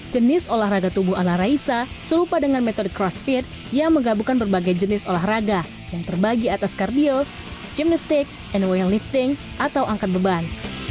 jenis olahraga tubuh ala raisa serupa dengan metode crossfit yang menggabungkan berbagai jenis olahraga yang terbagi atas kardio gemnistik android lifting atau angkat beban